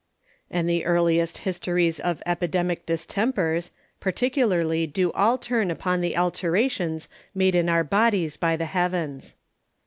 And the earliest Histories of Epidemic Distempers, particularly do all turn upon the alterations made in our Bodies by the Heavens.